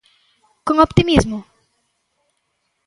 ¿Con optimismo?